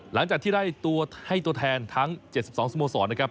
หลังจากที่ได้ตัวให้ตัวแทนทั้ง๗๒สโมสรนะครับ